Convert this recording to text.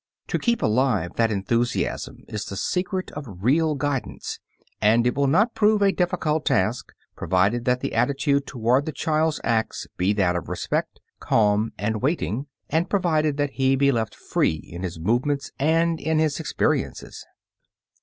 To keep alive that enthusiasm is the secret of real guidance, and it will not prove a difficult task, provided that the attitude towards the child's acts be that of respect, calm and waiting, and provided that he be left free in his movements and in his experiences.